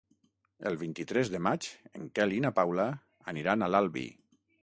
El vint-i-tres de maig en Quel i na Paula aniran a l'Albi.